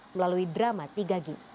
melalui drama tiga g